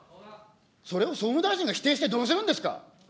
それを総務大臣が否定してどうするんですか。